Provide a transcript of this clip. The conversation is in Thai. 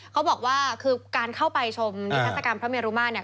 เขาบอกว่าคือการเข้าไปชมนิทัศกรรมพระเมรุมาตรเนี่ย